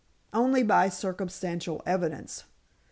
"Only by circumstantial evidence.